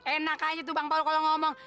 enak aja tuh bang palu kalau ngomong